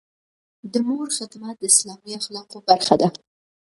د مور خدمت د اسلامي اخلاقو برخه ده.